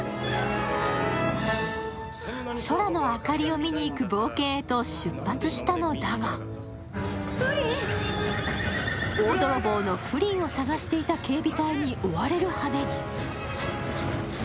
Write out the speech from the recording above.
空の明かりを見に行く冒険へと出発したのだが大泥棒のフリンを探していた警備隊に追われるはめに。